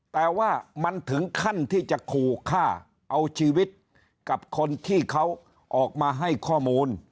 แต่ว่ามันถึงขั้นที่จะขู่ฆ่าเอาชีวิตกับคนที่เขาออกมาให้ข้อมูล